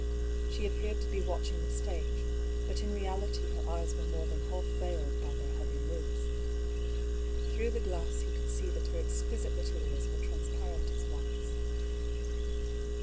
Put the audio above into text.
She appeared to be watching the stage, but in reality her eyes were more than half veiled by their heavy lids. Through the glass he could see that her exquisite little ears were transparent as wax.